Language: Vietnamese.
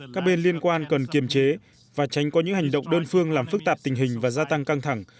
các bên liên quan cần kiềm chế và tránh có những hành động đơn phương làm phức tạp tình hình và gia tăng căng thẳng